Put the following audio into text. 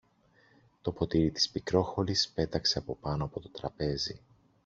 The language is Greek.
το ποτήρι της Πικρόχολης πέταξε από πάνω από το τραπέζι